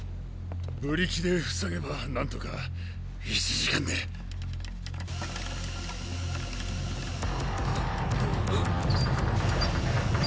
⁉ブリキで塞げば何とか１時間で。ッ！！